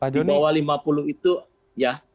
di bawah lima puluh itu ya